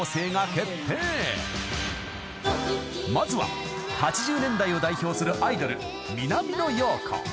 ［まずは８０年代を代表するアイドル］